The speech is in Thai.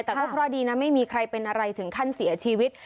แต่ก็เคราะห์ดีนะไม่มีใครเป็นอะไรถึงขั้นเสียชีวิต